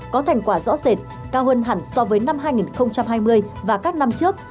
có thành quả rõ rệt cao hơn hẳn so với năm hai nghìn hai mươi và các năm trước